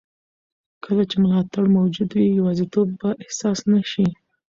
کله چې ملاتړ موجود وي، یوازیتوب به احساس نه شي.